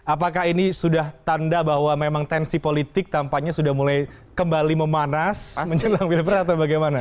apakah ini sudah tanda bahwa memang tensi politik tampaknya sudah mulai kembali memanas menjelang pilpres atau bagaimana